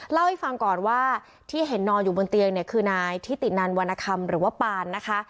เล่าให้ฟังก่อนว่าที่เห็นนอนอยู่บนเตียงเนี่ยคือนายทิตินันวรรณคำหรือว่าปานนะคะ